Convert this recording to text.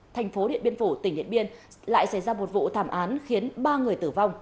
thành phố điện biên phủ tỉnh điện biên lại xảy ra một vụ thảm án khiến ba người tử vong